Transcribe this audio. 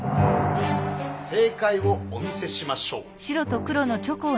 正かいをお見せしましょう。